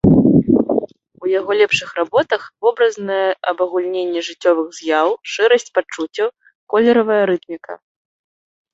У яго лепшых работах вобразнае абагульненне жыццёвых з'яў, шчырасць пачуццяў, колеравая рытміка.